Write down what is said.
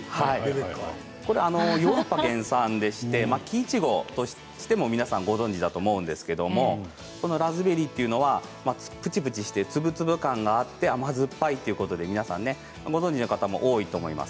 ヨーロッパ原産でして木いちごとしても皆さんご存じだと思うんですけれどもラズベリーはぷちぷちして粒々感があって甘酸っぱいということで皆さん、ご存じの方も多いと思います。